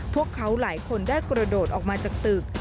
พวกเขาหลายคนได้กระโดดออกมาจากตึก